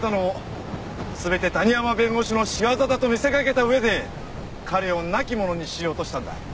全て谷浜弁護士の仕業だと見せかけた上で彼を亡き者にしようとしたんだ。